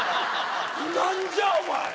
何じゃお前！